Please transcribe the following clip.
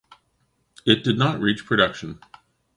It did not reach production.